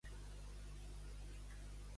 Per què ho critica Borrell?